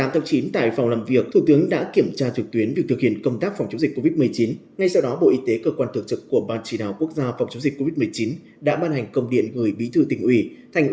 các bạn hãy đăng ký kênh để ủng hộ kênh của chúng mình nhé